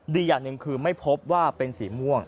อย่างหนึ่งคือไม่พบว่าเป็นสีม่วง